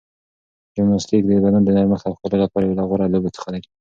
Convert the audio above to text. جمناستیک د بدن د نرمښت او ښکلا لپاره یو له غوره لوبو څخه ده.